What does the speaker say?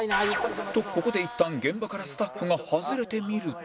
とここでいったん現場からスタッフが外れてみると